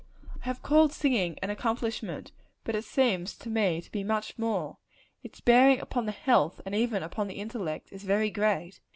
I have called singing an accomplishment; but it seems to me to be much more. Its bearing upon the health, and even upon the intellect, is very great.